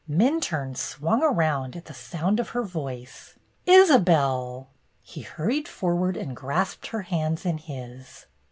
'' Minturne swung around at the sound of her voice. "Isabelle!" He hurried forward and grasped her hands in his.